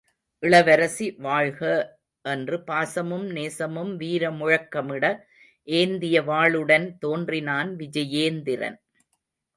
இளவரசி வாழ்க! என்று பாசமும் நேசமும் வீரமுழக்கமிட, ஏந்திய வாளுடன் தோன்றினான் விஜயேந்திரன்.